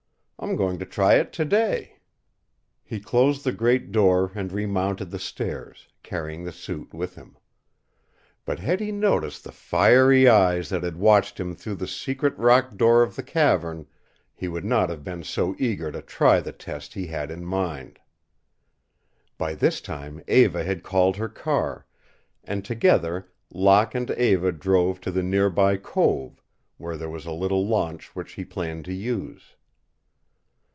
"I'm going to try it to day." He closed the great door and remounted the stairs, carrying the suit with him. But had he noticed the fiery eyes that had watched him through the secret rock door of the cavern he would not have been so eager to try the test he had in mind. By this time Eva had called her car, and together Locke and Eva drove to the near by cove, where there was a little launch which he planned to use.